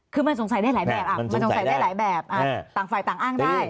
คือมันสงสัยได้หลายแบบมันสงสัยได้หลายแบบต่างฝ่ายต่างอ้างได้